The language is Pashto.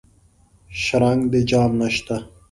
شرنګ د جام نشته